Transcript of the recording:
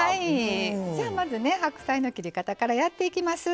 じゃあまずね白菜の切り方からやっていきます。